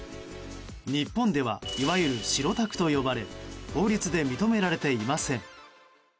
日本ではいわゆる白タクと呼ばれ法律で認められていません。